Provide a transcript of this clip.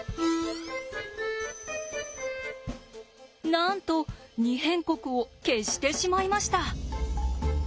なんと「二辺国」を消してしまいました。